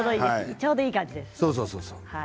ちょうどいい感じです。